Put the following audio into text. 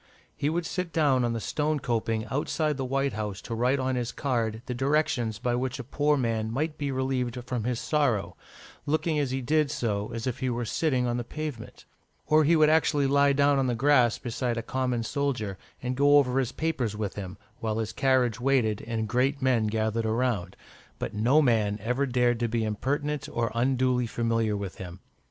He would sit down on the stone coping outside the White House to write on his card the directions by which a poor man might be relieved from his sorrow, looking as he did so as if he were sitting on the pavement; or he would actually lie down on the grass beside a common soldier, and go over his papers with him, while his carriage waited, and great men gathered around; but no man ever dared to be impertinent, or unduly familiar with him.